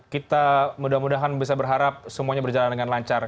kita mudah mudahan bisa berharap semuanya berjalan dengan lancar